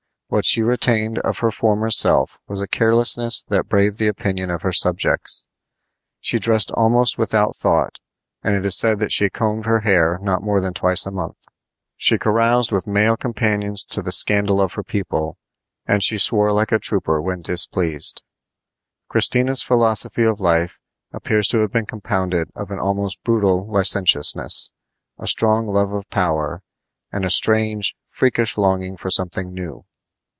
What she retained of her former self was a carelessness that braved the opinion of her subjects. She dressed almost without thought, and it is said that she combed her hair not more than twice a month. She caroused with male companions to the scandal of her people, and she swore like a trooper when displeased. Christina's philosophy of life appears to have been compounded of an almost brutal licentiousness, a strong love of power, and a strange, freakish longing for something new.